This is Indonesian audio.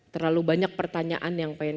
terlalu banyak pertanyaan yang pengen